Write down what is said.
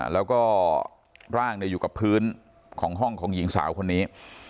แล้วก็ร่างอยู่กับพื้นของห้องของหญิงสาวคนนี้